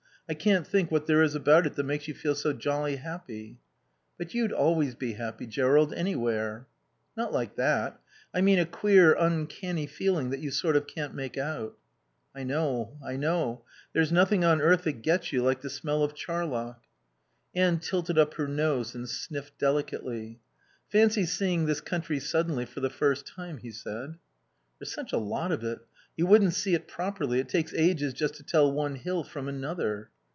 I can't think what there is about it that makes you feel so jolly happy." "But you'd always be happy, Jerrold, anywhere." "Not like that. I mean a queer, uncanny feeling that you sort of can't make out." "I know. I know... There's nothing on earth that gets you like the smell of charlock." Anne tilted up her nose and sniffed delicately. "Fancy seeing this country suddenly for the first time," he said. "There's such a lot of it. You wouldn't see it properly. It takes ages just to tell one hill from another."